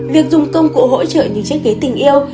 việc dùng công cụ hỗ trợ những chiếc ghế tình yêu